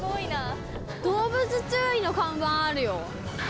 「動物注意」の看板あるよ。